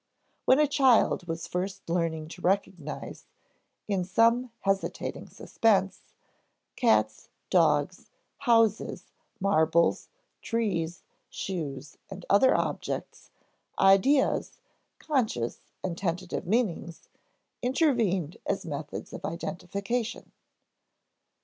When a child was first learning to recognize, in some hesitating suspense, cats, dogs, houses, marbles, trees, shoes, and other objects, ideas conscious and tentative meanings intervened as methods of identification.